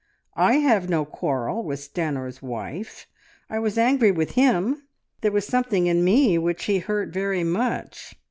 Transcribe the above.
"I have no quarrel with Stanor's wife. I was angry with him. There was something in me which he hurt very much.